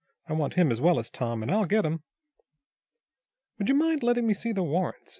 "I want him as well as Tom, and I'll get 'em." "Would you mind letting me see the warrants?"